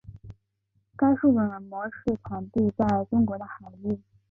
该物种的模式产地在中国海域。